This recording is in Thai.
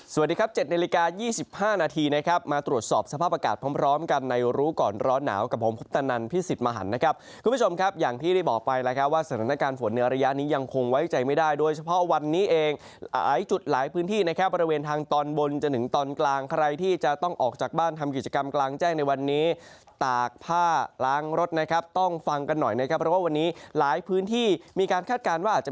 สวัสดีครับ๗นาฬิกา๒๕นาทีนะครับมาตรวจสอบสภาพอากาศพร้อมกันในรู้ก่อนร้อนหนาวกับผมครุฟตานันพิสิทธิ์มหรรัฐนะครับคุณผู้ชมครับอย่างที่ได้บอกไปแล้วแคระว่าศาลนักงานฝนเนื้อระยะนี้ยังคงไว้ใจไม่ได้โดยเฉพาะวันนี้เองหายจุดหลายพื้นที่นะแคระประเวนทางตอนบนจนถึงตอนกลางใครที่จะ